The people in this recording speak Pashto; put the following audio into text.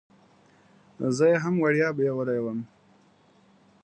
زه یې هم وړیا بیولې وم.